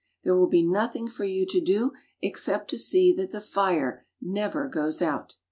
There will be nothing for you to do except to see that the fire never goes out."